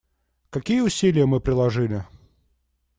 Какие усилия мы приложили?